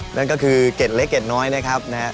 นั่นก็คือเกร็ดเล็กเกร็ดน้อยนะครับ